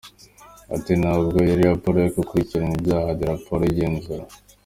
Ati “Ntabwo iyo ari raporo yo gukurikirana ibyaha, ni raporo y’igenzura.